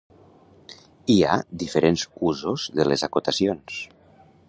Hi ha diferents usos de les acotacions.